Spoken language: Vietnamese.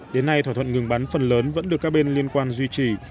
đến nay thỏa thuận ngừng bắn phần lớn vẫn được các bên liên quan duy trì